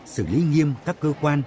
ba xử lý nghiêm các cơ quan